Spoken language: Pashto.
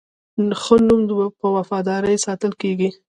ښه نوم په وفادارۍ ساتل کېږي.